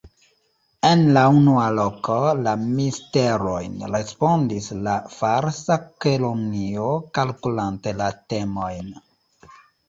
"En la unua loko, la Misterojn," respondis la Falsa Kelonio kalkulante la temojn.